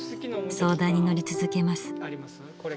相談にのり続けます。